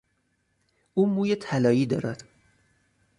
او موی طلایی دارد.